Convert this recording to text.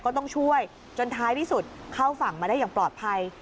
ก็ต้องช่วยจนท้ายที่สุดเข้าฝั่งมาได้อย่างปลอดภัย